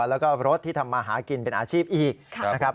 แล้วก็รถที่ทำมาหากินเป็นอาชีพอีกนะครับ